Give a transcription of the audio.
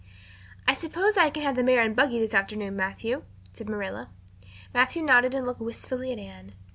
"I suppose I can have the mare and buggy this afternoon, Matthew?" said Marilla. Matthew nodded and looked wistfully at Anne.